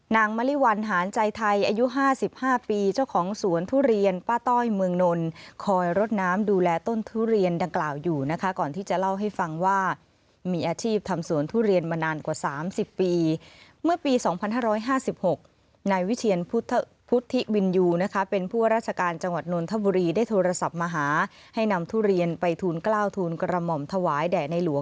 มริวัลหารใจไทยอายุ๕๕ปีเจ้าของสวนทุเรียนป้าต้อยเมืองนลคอยรดน้ำดูแลต้นทุเรียนดังกล่าวอยู่นะคะก่อนที่จะเล่าให้ฟังว่ามีอาชีพทำสวนทุเรียนมานานกว่า๓๐ปีเมื่อปี๒๕๕๖นายวิเชียนพุทธิวินยูนะคะเป็นผู้ว่าราชการจังหวัดนนทบุรีได้โทรศัพท์มาหาให้นำทุเรียนไปทูลกล้าวทูลกระหม่อมถวายแด่ในหลวง